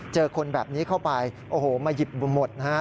คนแบบนี้เข้าไปโอ้โหมาหยิบหมดนะฮะ